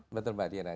betul mbak diana